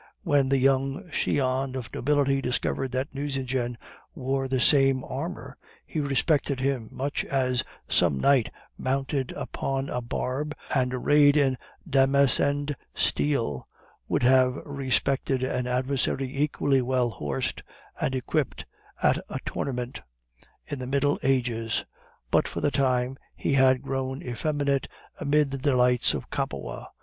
When the young scion of nobility discovered that Nucingen wore the same armor, he respected him much as some knight mounted upon a barb and arrayed in damascened steel would have respected an adversary equally well horsed and equipped at a tournament in the Middle Ages. But for the time he had grown effeminate amid the delights of Capua.